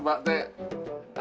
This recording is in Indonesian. bapak apa senangnya